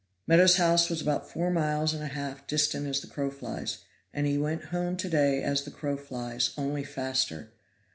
Meadows' house was about four miles and a half distant as the crow flies, and he went home to day as the crow flies, only faster.